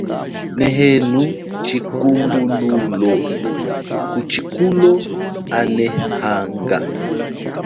Nehenu chikumbululo ku chikulo anehanga.